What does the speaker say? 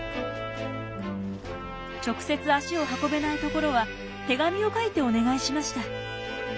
直接足を運べないところは手紙を書いてお願いしました。